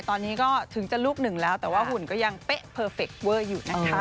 ตอนนี้ก็ถึงจะลูกหนึ่งแล้วแต่ว่าหุ่นก็ยังเป๊ะเพอร์เฟคเวอร์อยู่นะคะ